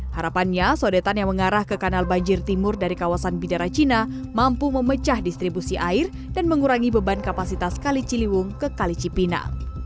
harapannya sodetan yang mengarah ke kanal banjir timur dari kawasan bidara cina mampu memecah distribusi air dan mengurangi beban kapasitas kali ciliwung ke kali cipinang